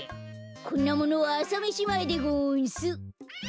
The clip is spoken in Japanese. こんなものはあさめしまえでごんす。